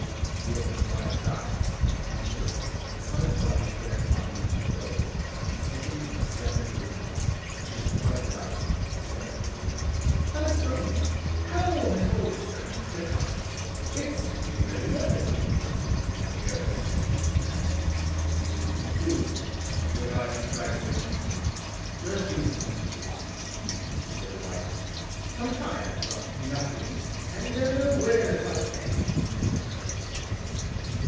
He opened wide his eyes, entered, and saw his wife dressed in beautiful clothes, sitting in a splendid room, and she was quite delighted, and said, "Husband, how has all this come to pass? It suits me very well." "Yes," said the man, "it suits me too, but I am frightfully hungry, just give me something to eat." Said the wife, "But I have got nothing and don't know where to find anything in this new house."